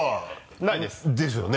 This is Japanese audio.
ないです。ですよね。